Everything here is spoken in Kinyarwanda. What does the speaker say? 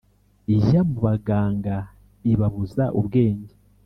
Ijya mu baganga ibabuza ubwenge